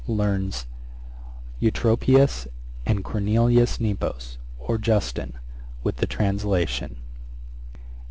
Learns Eutropius and Cornelius Nepos, or Justin, with the translation.